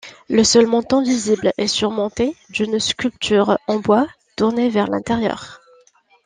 Le seul montant visible est surmonté d'une sculpture en bois, tournée vers l'intérieur.